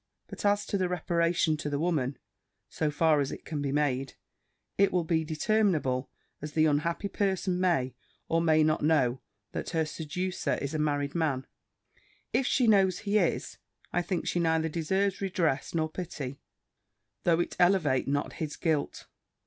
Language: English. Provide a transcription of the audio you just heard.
But as to the reparation to the woman, so far as it can be made, it will be determinable as the unhappy person may or may not know, that her seducer is a married man: if she knows he is, I think she neither deserves redress nor pity, though it elevate not his guilt.